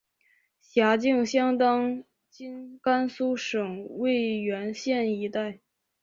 辖境相当今甘肃省渭源县一带。